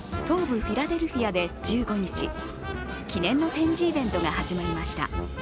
フィラデルフィアで１５日、記念の展示イベントが始まりました。